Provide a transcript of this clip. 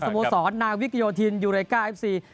โมสรนาวิกโยธินยูเรก้าเอฟซี